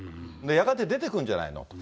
やがて出てくるんじゃないのと。